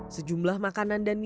sejumlah makanan yang dikonsumsi